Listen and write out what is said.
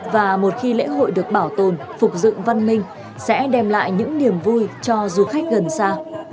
và một khi lễ hội được bảo tồn phục dựng văn minh sẽ đem lại những niềm vui cho du khách gần xa